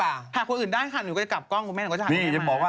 ถ่ายคนอื่นได้ค่ะหนูก็จะกลับกล้องคุณแม่หนูก็จะถ่ายคนอื่นได้ป่ะ